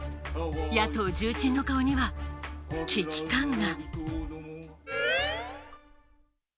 野党重鎮の顔には危機感が。